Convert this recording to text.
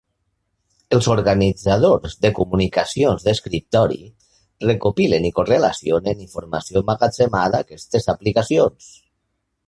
Els organitzadors de comunicacions d'escriptori recopilen i correlacionen informació emmagatzemada a aquestes aplicacions.